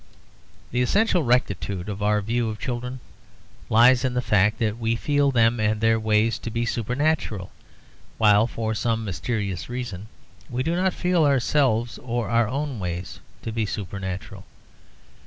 The essential rectitude of our view of children lies in the fact that we feel them and their ways to be supernatural while, for some mysterious reason, we do not feel ourselves or our own ways to be supernatural.